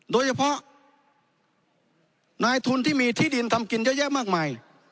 โดยเฉพาะนายทุนที่มีที่ดินทำกินเยอะแยะมากมาย